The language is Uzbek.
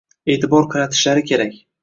e'tibor qaratishlari kerak